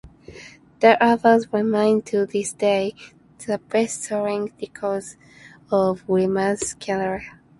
The album remains, to this day, the best-selling record of Williams' career.